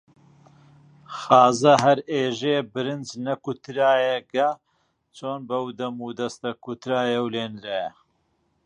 خازە هەر ئێژێ برنج نەکوتریاگە، چۆن بەو دەمودەستە کوتریا و لێ نریا؟